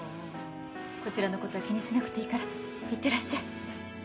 こちらのことは気にしなくていいから行ってらっしゃい。